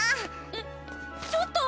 えっちょっと！